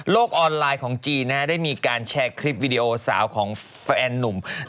ออนไลน์ของจีนได้มีการแชร์คลิปวิดีโอสาวของแฟนนุ่ม